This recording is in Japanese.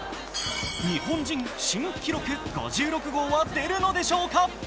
日本人新記録５６号は出るのでしょうか。